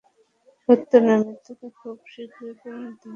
সত্য না মিথ্যা তা খুব শীঘ্রই প্রমানিত হবে।